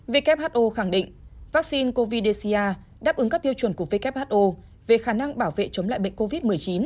who khẳng định vaccine covid một mươi chín đáp ứng các tiêu chuẩn của who về khả năng bảo vệ chống lại bệnh covid một mươi chín